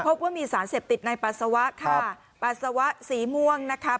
พบว่ามีสารเสพติดในปัสสาวะค่ะปัสสาวะสีม่วงนะคะ